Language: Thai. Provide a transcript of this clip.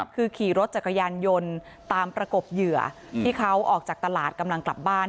คือขี่รถจักรยานยนต์ตามประกบเหยื่อที่เขาออกจากตลาดกำลังกลับบ้าน